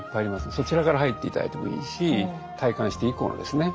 そちらから入って頂いてもいいし退官して以降のですね